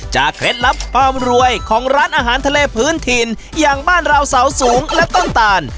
เคล็ดลับความรวยของร้านอาหารทะเลพื้นถิ่นอย่างบ้านเราเสาสูงและต้นตาล